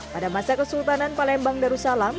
pada masa kesultanan palembang darussalam